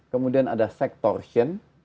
kemudian ada sextortion